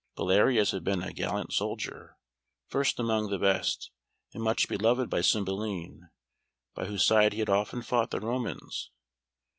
Belarius had been a gallant soldier, first among the best, and much beloved by Cymbeline, by whose side he had often fought the Romans.